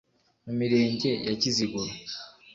mu mirenge ya Kiziguro